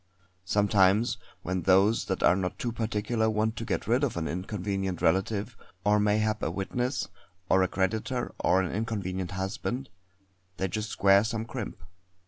Sometimes, when those that are not too particular want to get rid of an inconvenient relative or mayhap a witness, or a creditor, or an inconvenient husband they just square some crimp.